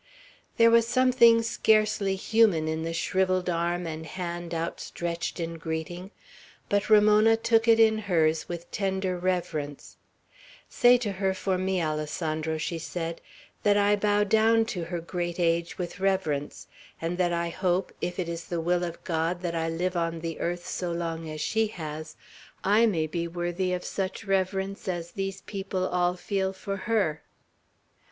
There was something scarcely human in the shrivelled arm and hand outstretched in greeting; but Ramona took it in hers with tender reverence: "Say to her for me, Alessandro," she said, "that I bow down to her great age with reverence, and that I hope, if it is the will of God that I live on the earth so long as she has, I may be worthy of such reverence as these people all feel for her."